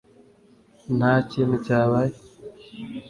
nta kintu cyabaye